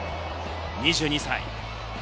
２２歳。